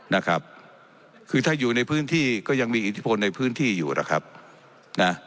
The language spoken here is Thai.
นะครับคือถ้าอยู่ในพื้นที่ก็ยังมีอิทธิพลในพื้นที่อยู่นะครับนะ